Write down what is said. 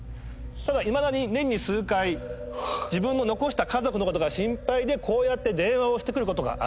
ただいまだに年に数回自分の残した家族の事が心配でこうやって電話をしてくる事がある。